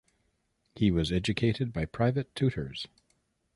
He was educated by private tutors.